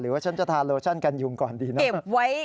ว่าฉันจะทานโลชั่นกันยุงก่อนดีนะ